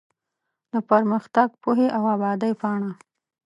د پرمختګ ، پوهې او ابادۍ پاڼه